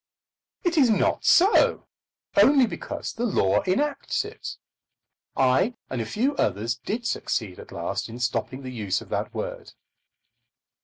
It is not so, only because the law enacts it. I and a few others did succeed at last in stopping the use of that word.